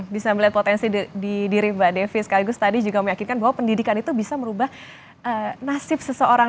bisa melihat potensi di diri mbak devi sekaligus tadi juga meyakinkan bahwa pendidikan itu bisa merubah nasib seseorang